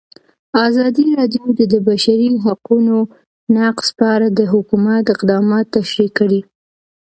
ازادي راډیو د د بشري حقونو نقض په اړه د حکومت اقدامات تشریح کړي.